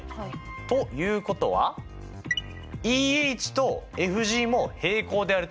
ということはＥＨとＦＧも平行であると言えます！